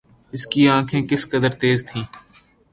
اس کی آنکھیں کس قدر تیز تھیں